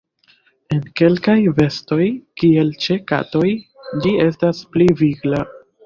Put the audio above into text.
En kelkaj bestoj, kiel ĉe katoj ĝi estas pli vigla.